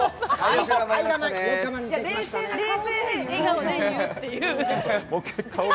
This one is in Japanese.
冷静で笑顔で言うっていう。